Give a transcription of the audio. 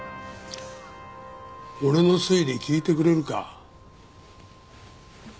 俺の推理聞いてくれるか？